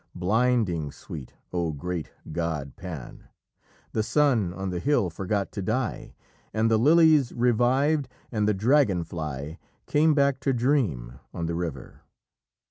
Blinding sweet, O great god Pan! The sun on the hill forgot to die, And the lilies revived, and the dragon fly Came back to dream on the river.